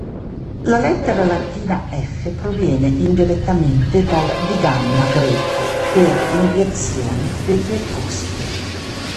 La lettera latina "F" proviene, indirettamente, dal "digamma" greco, per mediazione degli etruschi.